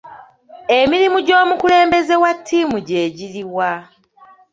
Emirimu gy'omukulembeze wa ttiimu gye giriwa?